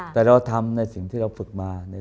แต่เราทำในสิ่งที่เราฝึกมา